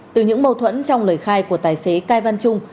từ những mâu thuẫn trong lời khai của tài xế cao văn trung